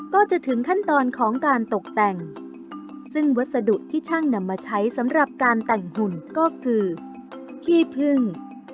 ก็จะถึงขั้นตอนของการตกแต่งซึ่งวัสดุที่ช่างนำมาใช้สำหรับการแต่งหุ่นก็คือขี้พึ่ง